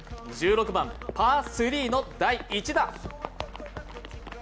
１６番パー３の第１打。